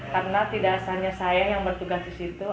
karena tidak hanya saya yang bertugas di situ